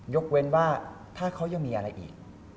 ยกเว้นว่าถ้าเขายังมีอะไรอีก